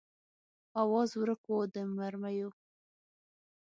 آواز ورک و د مرمیو